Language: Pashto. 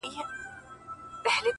زما هغـه ســـترگو ته ودريـــږي,